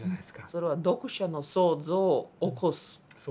それは読者の想像を起こす。